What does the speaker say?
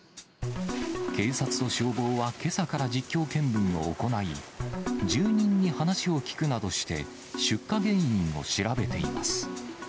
警察と消防は、けさから実況見分を行い、住人に話を聴くなどして、出火原因を調べています。